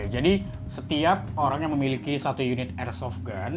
jadi setiap orang yang memiliki satu unit airsoft gun